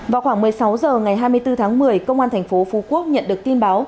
vào khoảng một mươi sáu h ngày hai mươi bốn tháng một mươi công an thành phố phú quốc nhận được tin báo